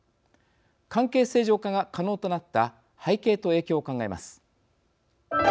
関係正常化が可能となった背景と影響を考えます。